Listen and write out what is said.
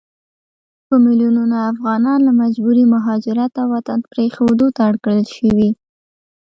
په ميلونونو افغانان له مجبوري مهاجرت او وطن پريښودو ته اړ کړل شوي